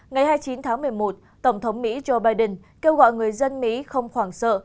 ngày hai mươi chín tháng một mươi một tổng thống mỹ joe biden kêu gọi người dân mỹ không hoảng sợ